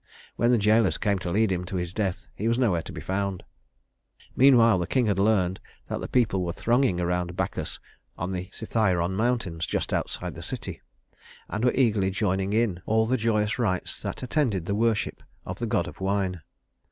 When the jailers came to lead him to his death, he was nowhere to be found. Meanwhile the king had learned that the people were thronging around Bacchus on the Cithæron mountain, just outside the city, and were eagerly joining in all the joyous rites that attended the worship of the god of wine.